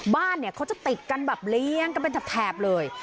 บ้านเนี่ยเขาจะติดกันแบบเลี้ยงกันเป็นแถบเลย